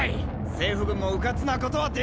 政府軍もうかつなことはできねえ！